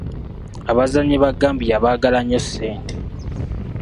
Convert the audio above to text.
Abazannyi ba Gambia baagala nnyo ssente.